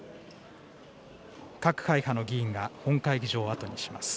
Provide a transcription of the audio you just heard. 各会派の議員が本会議場を後にします。